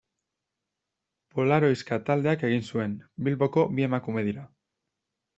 Polaroiska taldeak egin zuen, Bilboko bi emakume dira.